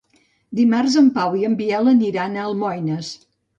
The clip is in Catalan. Dimarts en Pau i en Biel aniran a Almoines.